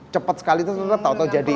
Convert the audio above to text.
cepat sekali itu sudah tahu tahu jadi